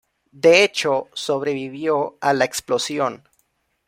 De hecho, sobrevivió a la explosión.